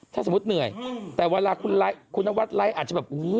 ถ้าสมมติเหนื่อยแต่เวลาคุณนวัฒน์ไล่อาจจะแบบ